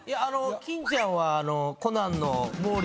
金ちゃんは。